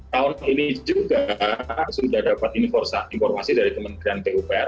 tahun ini juga sudah dapat informasi dari kementerian pupr